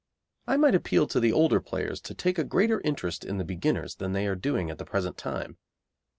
I might appeal to the older players to take a greater interest in the beginners than they are doing at the present time.